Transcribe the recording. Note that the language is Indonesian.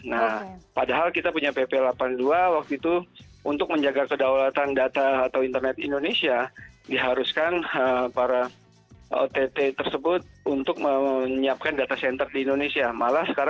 nah padahal kita punya pp delapan puluh dua waktu itu untuk menjaga kedaulatan data atau internet indonesia diharuskan para ott tersebut untuk menyiapkan data center di indonesia